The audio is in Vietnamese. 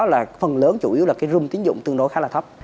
là phần lớn chủ yếu là cái rung tiến dụng tương đối khá là thấp